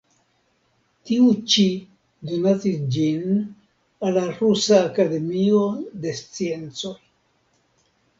Tiu ĉi donacis ĝin al la Rusa Akademio de Sciencoj.